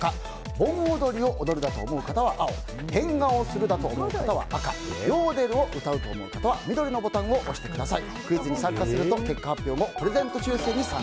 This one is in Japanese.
盆踊りを踊るだと思う方は青変顔をするだと思う方は赤ヨーデルを歌うだと思う方は緑のボタンを押してください。